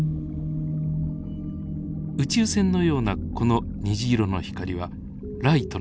宇宙船のようなこの虹色の光はライトの反射でしたよね。